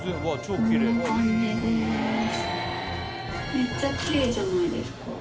めっちゃキレイじゃないですか。